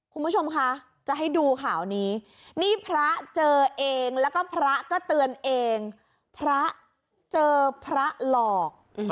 คุณผู้ชมคะจะให้ดูข่าวนี้นี่พระเจอเองแล้วก็พระก็เตือนเองพระเจอพระหลอก